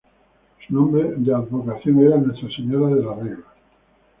Su nombre de advocación era "Nuestra Señora de Regla".